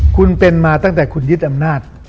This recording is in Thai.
คุณเป็นมาตั้งแต่คุณยึดอำนาจ